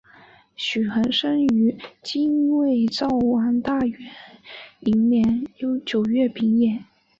许衡生于金卫绍王大安元年九月丙寅。